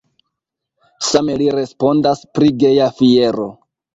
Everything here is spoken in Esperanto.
Same li respondas pri Geja Fiero.